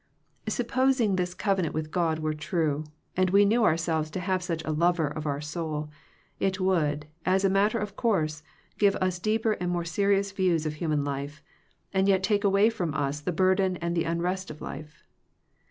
Supposing this covenant with God were true, and we knew ourselves to have such a Lover of our soul, it would, as a matter of course, give us deeper and more serious views of human life, and yet take away from us the burden and the unrest of life.